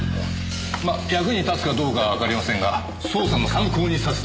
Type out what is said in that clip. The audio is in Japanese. まあ役に立つかどうかはわかりませんが捜査の参考にさせていただきます。